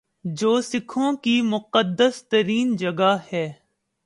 جو سکھوں کی مقدس ترین جگہ ہے